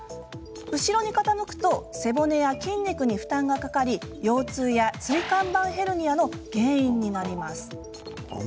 後ろに傾くと背骨や筋肉に負担がかかり腰痛や椎間板ヘルニアの原因になります。